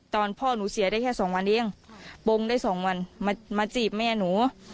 พ่อหนูเสียได้แค่สองวันเองปงได้สองวันมาจีบแม่หนู